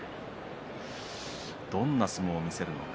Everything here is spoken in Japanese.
どんな相撲を見せるのか。